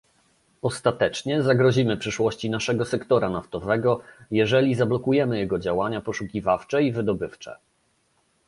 Ostatecznie zagrozimy przyszłości naszego sektora naftowego, jeżeli zablokujemy jego działania poszukiwawcze i wydobywcze